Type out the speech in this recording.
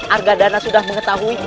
argadana sudah mengetahui